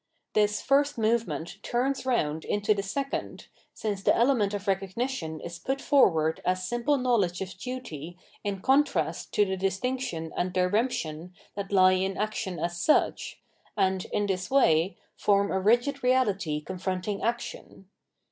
This first movement turns round into the second, since the element of recognition is put forward as simple knowledge of duty in contrast to the distinction and diremption that lie in action as such and, in this way, form a rigid reality confronting action.